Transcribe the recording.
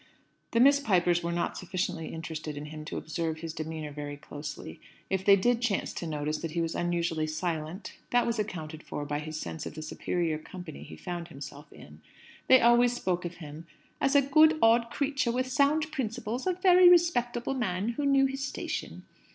The Miss Pipers were not sufficiently interested in him to observe his demeanour very closely. If they did chance to notice that he was unusually silent, that was accounted for by his sense of the superior company he found himself in. They always spoke of him as "a good, odd creature, with sound principles a very respectable man, who knew his station."